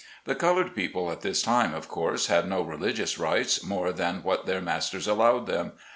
The col ored people at this time, of course, had no religious rights more than what their masters allowed them.